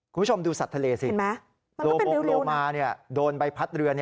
คุณผู้ชมดูสัตว์ทะเลสิเห็นไหมโลโมงโลมานี่โดนใบพัดเรือ